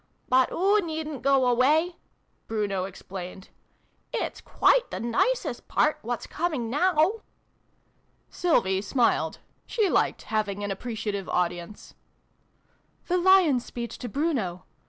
(" But oo needn't go away!" Bruno explained. " It's quite the nicest part what's coming now !" 238 SYLVIE AND BRUNO CONCLUDED. Sylvie smiled. She liked having an appreci ative audience.) " The Lion's speech to Bruno.